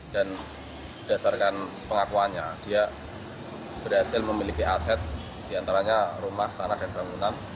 dan berdasarkan pengakuannya dia berhasil memiliki aset di antaranya rumah tanah dan bangunan